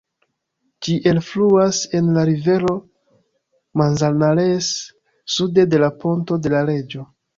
Ĝi elfluas en la rivero Manzanares, sude de la Ponto de la Reĝo.